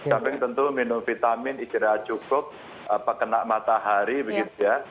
samping tentu minum vitamin istirahat cukup kena matahari begitu ya